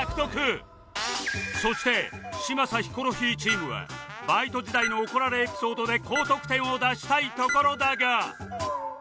そして嶋佐ヒコロヒーチームはバイト時代の怒られエピソードで高得点を出したいところだが